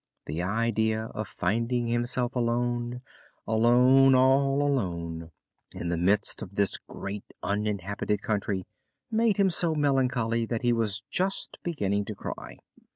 This idea of finding himself alone, alone, all alone, in the midst of this great uninhabited country, made him so melancholy that he was just beginning to cry.